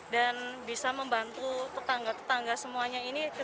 dan bisa membantu tetangga tetangga semuanya ini